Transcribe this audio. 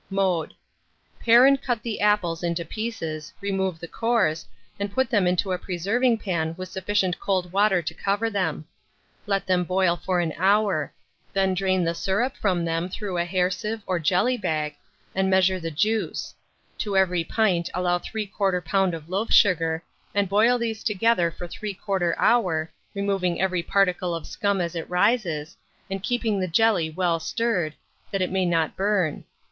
Mode. Pare and cut the apples into pieces, remove the cores, and put them in a preserving pan with sufficient cold water to cover them. Let them boil for an hour; then drain the syrup from them through a hair sieve or jelly bag, and measure the juice; to every pint allow 3/4 lb. of loaf sugar, and boil these together for 3/4 hour, removing every particle of scum as it rises, and keeping the jelly well stirred, that it may not burn.